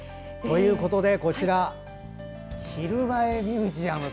こちら「ひるまえミュージアム」。